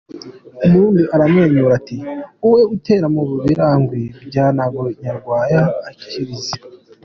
Umurundi aramwenyura, ati “Wowe utera mu Birangirwa bya Ntaga ?”Nyarwaya arikiriza.